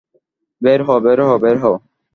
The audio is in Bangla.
বের হও, বের হও, বের হও!